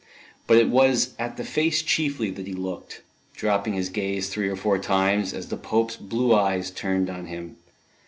But it was at the face chiefly that he looked, dropping his gaze three or four times, as the Pope's blue eyes turned on him.